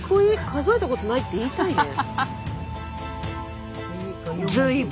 「数えたことない」って言いたいね。